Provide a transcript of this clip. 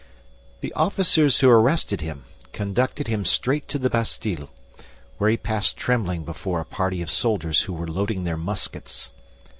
The officers who arrested him conducted him straight to the Bastille, where he passed trembling before a party of soldiers who were loading their muskets.